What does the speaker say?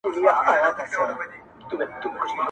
د ژوندون کیسه مي وړمه د څپو منځ کي حُباب ته,